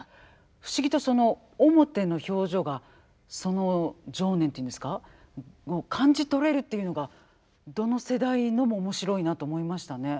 不思議とその面の表情がその情念というんですかを感じ取れるっていうのがどの世代のも面白いなと思いましたね。